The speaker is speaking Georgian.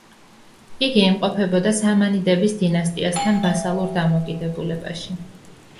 იგი იმყოფებოდა სამანიდების დინასტიასთან ვასალურ დამოკიდებულებაში.